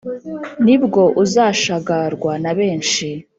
nibwo uzashagarwa na benshi